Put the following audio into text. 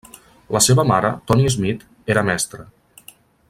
La seva mare, Toni Smith, era mestra.